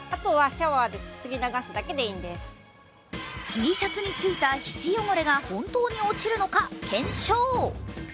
Ｔシャツについた皮脂汚れが本当に落ちるのか検証。